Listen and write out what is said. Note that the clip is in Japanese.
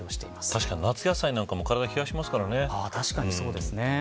確かに、夏野菜なんかも体を冷やしますからね。